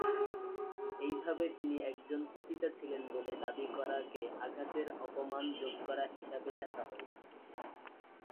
এইভাবে তিনি একজন পতিতা ছিলেন বলে দাবি করা কে আঘাতের অপমান যোগ করা হিসাবে দেখা হয়েছিল।